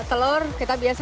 untuk apa saja